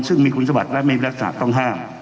ซึ่งมีคุณสมบัติและมีลักษณะต้องห้าม